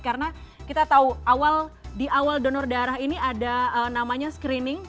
karena kita tahu di awal donor darah ini ada namanya screening